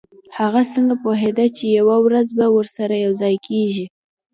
هغه څنګه پوهیده چې یوه ورځ به ورسره یوځای کیږي